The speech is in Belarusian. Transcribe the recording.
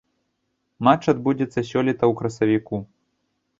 Матч адбудзецца сёлета ў красавіку.